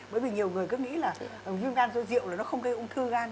bởi vì nhiều người cứ nghĩ là viêm gan do rượu là nó không gây ung thư gan